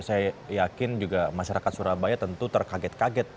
saya yakin juga masyarakat surabaya tentu terkaget kaget